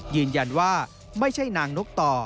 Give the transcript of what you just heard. ยืนยันว่าไม่ใช่นางนกต่อ